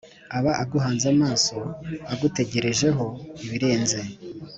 aba aguhanze amaso, agutegerejeho ibirenze;